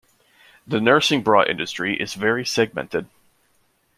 The nursing bra industry is very segmented.